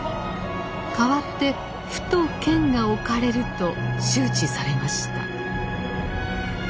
かわって府と県が置かれると周知されました。